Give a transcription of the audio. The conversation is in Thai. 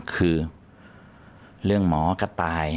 คือเรื่องหมอกระต่าย